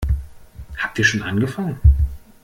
Habt ihr schon angefangen?